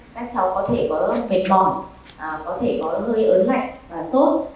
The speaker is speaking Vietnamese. các cháu có thể có mệt bỏng có thể có hơi ớn lạnh và sốt